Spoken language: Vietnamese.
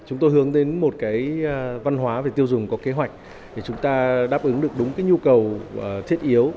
chúng tôi hướng đến một cái văn hóa về tiêu dùng có kế hoạch để chúng ta đáp ứng được đúng cái nhu cầu thiết yếu